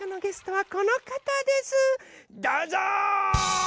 どうぞ！